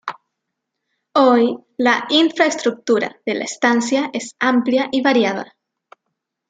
Hoy, la infraestructura de la estancia es amplia y variada.